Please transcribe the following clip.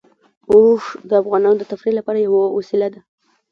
اوښ د افغانانو د تفریح لپاره یوه وسیله ده.